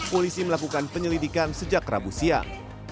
polisi melakukan penyelidikan sejak rabu siang